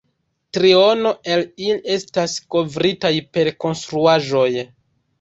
Triono el ili estas kovritaj per konstruaĵoj.